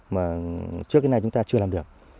mà trước khi này chúng ta chưa làm được